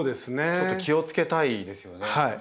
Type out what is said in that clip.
ちょっと気をつけたいですよね。